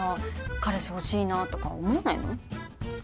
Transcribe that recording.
彼氏欲しいなとか思わないの？